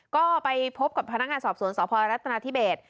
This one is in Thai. ก็ไปพบกับพนักงานสอบสวนสพรัฐนาธิเบส